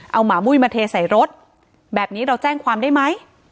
เอาหมามุ้ยมาเทใส่รถแบบนี้เราแจ้งความได้ไหม